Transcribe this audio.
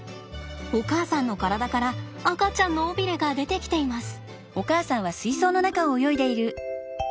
お母さんの体から赤ちゃんの尾ビレが出てきています。